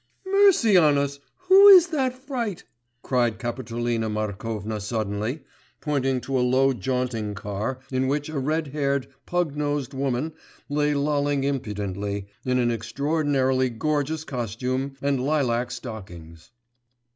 'Mercy on us! Who is that fright?' cried Kapitolina Markovna suddenly, pointing to a low jaunting car in which a red haired pug nosed woman lay lolling impudently, in an extraordinarily gorgeous costume and lilac stockings.